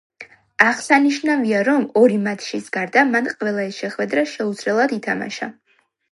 აღსანიშნავია, რომ ორი მატჩის გარდა, მან ყველა ეს შეხვედრა შეუცვლელად ითამაშა.